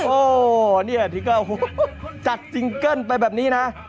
โอ้นี่ก็จัดจิงเกิ้ลไปแบบนี้นะ